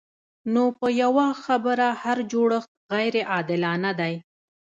نو په یوه خبره هر جوړښت غیر عادلانه دی.